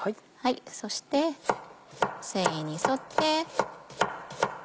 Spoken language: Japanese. そして繊維に沿って。